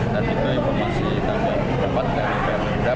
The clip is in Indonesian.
dan kita informasi kita dapatkan